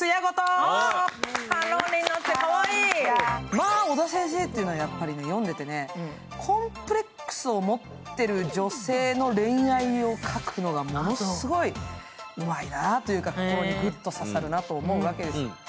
まあ、小田先生というのは、読んでてコンプレックスを持ってる女性の恋愛を描くのがものすごいうまいなあというか、心にぐっと刺さるわけです。